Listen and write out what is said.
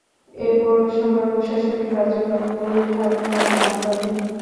এ পৌরসভার প্রশাসনিক কার্যক্রম কবিরহাট থানার আওতাধীন।